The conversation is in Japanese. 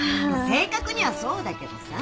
正確にはそうだけどさ。